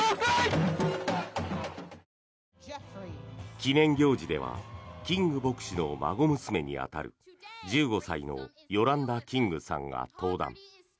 記念行事ではキング牧師の孫娘に当たる１５歳のヨランダ・キングさんが登壇。